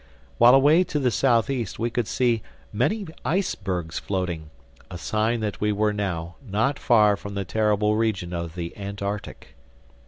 While away to the Southeast we could see many icebergs floating—a sign that we were now not far from the terrible region of the Antarctic.